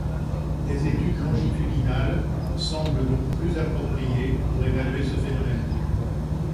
Des études longitudinales semblent donc plus appropriées pour évaluer ce phénomène.